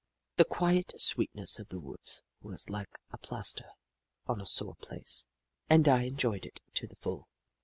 The quiet sweetness of the woods was like a plaster on a sore place, and I enjoyed it to the full.